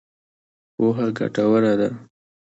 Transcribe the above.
پوهه ګټوره ده.